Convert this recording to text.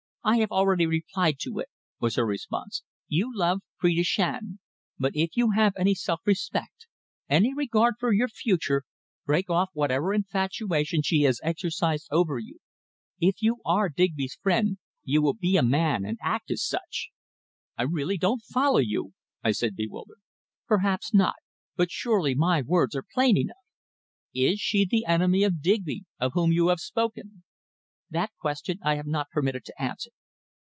"I have already replied to it," was her response. "You love Phrida Shand, but if you have any self respect, any regard for your future, break off Whatever infatuation she has exercised over you. If you are Digby's friend, you will be a man, and act as such!" "I really don't follow you," I said, bewildered. "Perhaps not. But surely my words are plain enough!" "Is she the enemy of Digby, of whom you have spoken?" "That question I am not permitted to answer."